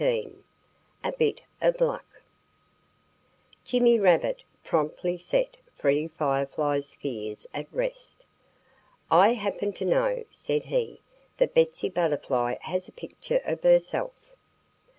XIX A BIT OF LUCK JIMMY RABBIT promptly set Freddie Firefly's fears at rest. "I happen to know," said he, "that Betsy Butterfly has a picture of herself."